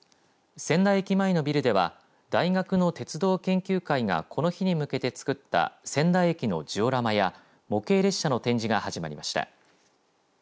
仙台駅前のビルでは大学の鉄道研究会がこの日に向けて作った仙台駅のジオラマや模型列車の展示が始まりました。